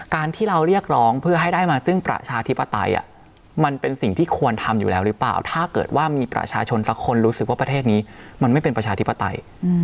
การที่เราเรียกร้องเพื่อให้ได้มาซึ่งประชาธิปไตยมันเป็นสิ่งที่ควรทำอยู่แล้วหรือเปล่าถ้าเกิดว่ามีประชาชนสักคนรู้สึกว่าประเทศนี้มันไม่เป็นประชาธิปไตย